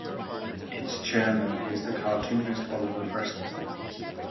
Its chairman is the cartoonist Oliver Preston.